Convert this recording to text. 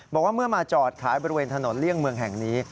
บอกว่าเมื่อมาจอดขายบริเวณถนนเลี่ยงเมืองแห่งนี้